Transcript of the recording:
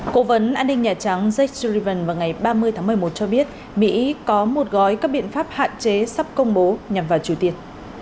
cố vấn an ninh nhà trắng jake sullivan vào ngày ba mươi tháng một mươi một cho biết mỹ có một gói các biện pháp hạn chế sắp công bố nhằm vào triều tiên